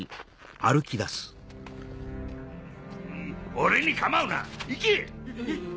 俺に構うな行け！